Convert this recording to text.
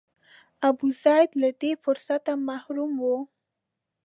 ابوزید له دې فرصته محروم و.